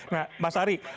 nah mas ari